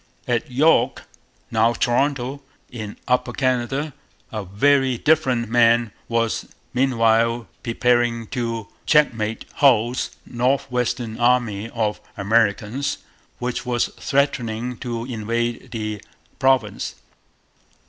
At York (now Toronto) in Upper Canada a very different man was meanwhile preparing to checkmate Hull's 'north western army' of Americans, which was threatening to invade the province.